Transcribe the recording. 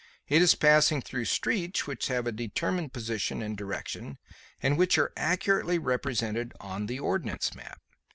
It is passing through streets which have a determined position and direction and which are accurately represented on the ordnance map.